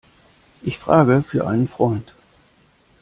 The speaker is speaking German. Ich frage für einen Freund.